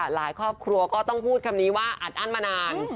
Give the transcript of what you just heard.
หลายครอบครัวก็ต้องพูดคำนี้ว่าอัดอั้นมานาน